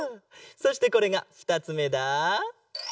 そしてこれがふたつめだ。